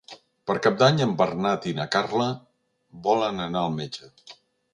Per Cap d'Any en Bernat i na Carla volen anar al metge.